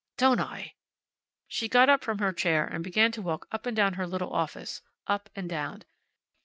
"Don't I!" She got up from her chair and began to walk up and down her little office, up and down.